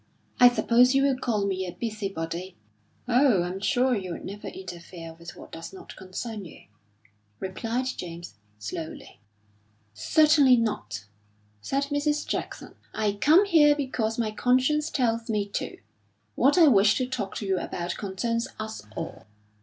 "I suppose you will call me a busybody?" "Oh, I'm sure you would never interfere with what does not concern you," replied James, slowly. "Certainly not!" said Mrs. Jackson. "I come here because my conscience tells me to. What I wish to talk to you about concerns us all."